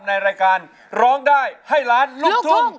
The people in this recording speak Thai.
ในรายการร้องได้ให้ล้านลูกทุ่ง